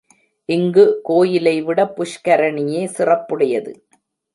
இங்கு கோயிலை விடப் புஷ்கரணியே சிறப்புடையது.